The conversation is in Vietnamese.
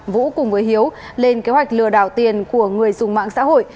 vũ cùng với hiếu lên kế hoạch lừa đảo tiền của người dùng mạng xã hội